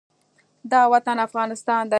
دا وطن افغانستان دی